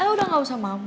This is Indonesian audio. eh udah gak usah mami